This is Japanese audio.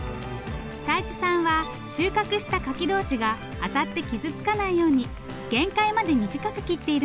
泰一さんは収穫した柿同士が当たって傷つかないように限界まで短く切っているんです。